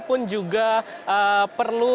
pun juga perlu